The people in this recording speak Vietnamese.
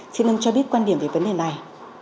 xin ông cho biết quan điểm về vấn đề này